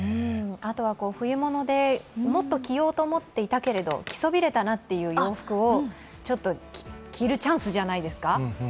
あとは冬物でもっと着ようと思っていたけれども、着そびれたなという洋服を着るチャンスじゃないですか？